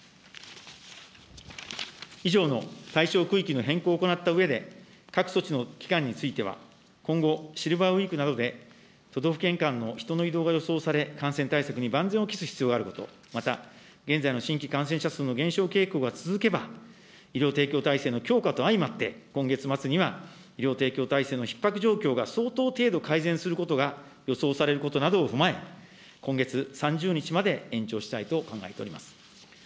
以上の対象区域の変更を行ったうえで、各措置の期間については、今後、シルバーウィークなどで都道府県間の人の移動が懸念され、万全を期す必要があること、また現在の新規感染者数の減少傾向が続けば、医療提供体制の強化と相まって、今月末には医療提供体制のひっ迫状況が相当程度改善することが予想されることなどを踏まえ、今月３０日まで延長したいと考えております。